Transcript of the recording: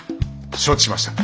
承知しました。